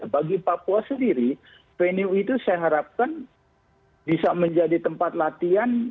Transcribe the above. bagi papua sendiri venue itu saya harapkan bisa menjadi tempat latihan